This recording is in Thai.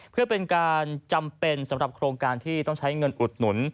เพื่อเป็นการจำเป็นสำหรับโครงการที่ต้องใช้เงินอุดหนุน